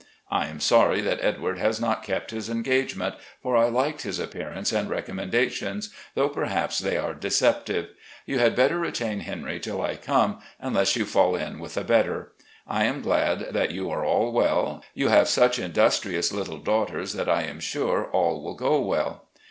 I am sorry that Edward has not kept his engagement, for I liked his appearance and recommendations, though perhaps they are deceptive. You had better retain Henry till I come, unless you fall in with a better. I am glad that you are all well. You have such industrious little daughters that I am sure all will go well.